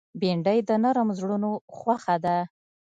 بېنډۍ د نرم زړونو خوښه ده